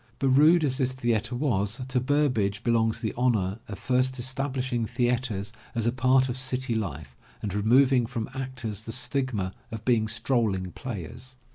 But rude as this theatre was, to Burbage belongs the honor of first establishing theatres as a part of city life and removing from actors the stigma of being strolling players.